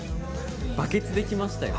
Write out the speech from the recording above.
バケツで来ましたよ。